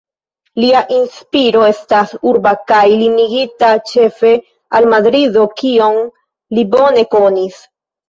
Lia inspiro estas urba kaj limigita ĉefe al Madrido kion li bone konis.